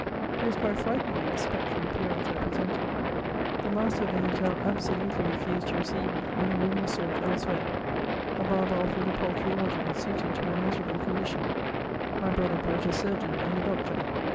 He was quite frightened at VOL. I. 2 E 364 MEMOISS OF the spectral appearance I presented, me master oi ine noLei absolutely refused to receive me, and a room was sought else where. A barber oflTered a paltry lodging, smted to my miserable conation. My brother brought a surgeon and a doctor.